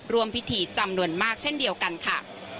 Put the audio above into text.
ร่วมพิธีจำนวนมากเช่นเดียวกันค่ะ